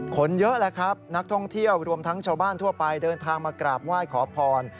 คนเยอะแหละครับนักท่องเที่ยวรวมทั้งชาวบ้านทั่วไปเดินทางมากราบไหว้ขอพร